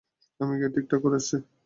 আমি গিয়ে ঠিকঠাক করে আসছি।